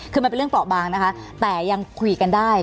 คือมันเป็นเรื่องเปราะบางนะคะแต่ยังคุยกันได้